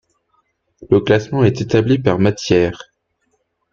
Le classement est établi par matières.